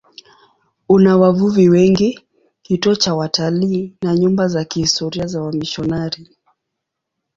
Una wavuvi wengi, kituo cha watalii na nyumba za kihistoria za wamisionari.